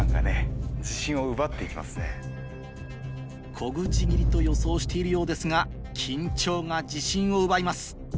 小口切りと予想しているようですが緊張が自信を奪います